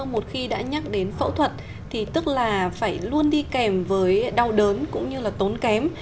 một khi đã nhắc đến phẫu thuật thì tức là phải luôn đi kèm với đau đớn cũng như là tốn kém